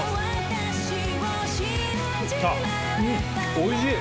おいしい。